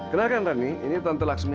kenalkan rani ini tante lakshmi